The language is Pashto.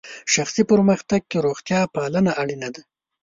شخصي پرمختګ کې روغتیا پالنه اړینه ده.